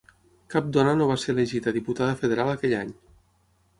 Cap dona no va ser elegida diputada federal aquell any.